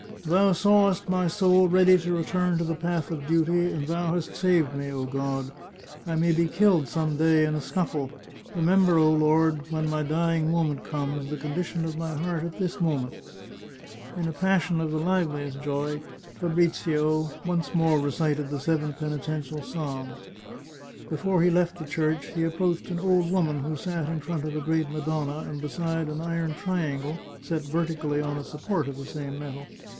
" Thou sawest my soul ready to return to the path of duty, and Thou hast saved me. O God, I may be killed some day in a scuffle. Remember, O Lord, when my dying moment comes, the condition of my heart at this moment." In a passion of the liveliest joy, Fabrizio once more recited the seven penitential psalms. Before he left the church, he approached an old woman who sat in front of a great Madonna and beside an iron triangle set vertically on a support of the same metal.